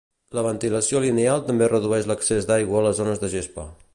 La ventilació lineal també redueix l'excés d'aigua a les zones de gespa.